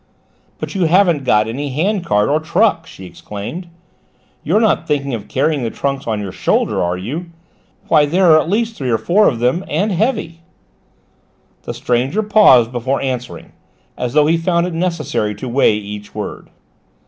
"But you haven't got any handcart or truck," she exclaimed. "You're not thinking of carrying the trunks on your shoulder, are you? Why, there are at least three or four of them and heavy!" The stranger paused before answering, as though he found it necessary to weigh each word.